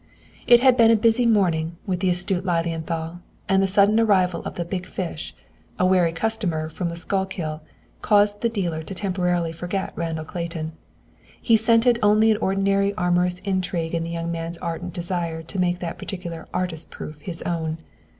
It had been a busy morning with the astute Lilienthal, and the sudden arrival of the "big fish," a wary "customer" from the Schuylkill, caused the dealer to temporarily forget Randall Clayton. He scented only an ordinary amorous intrigue in the young man's ardent desire to make that particular "artist proof" his own.